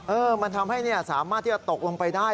มันทำให้สามารถที่จะตกลงไปได้